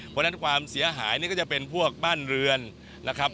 เพราะฉะนั้นความเสียหายนี่ก็จะเป็นพวกบ้านเรือนนะครับ